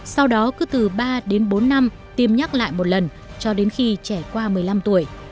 sau đó cứ từ ba đến bốn năm tiêm nhắc lại một lần cho đến khi trẻ qua một mươi năm tuổi